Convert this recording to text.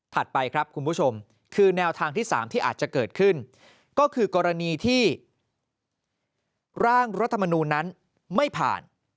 ไปครับคุณผู้ชมคือแนวทางที่๓ที่อาจจะเกิดขึ้นก็คือกรณีที่ร่างรัฐมนูลนั้นไม่ผ่าน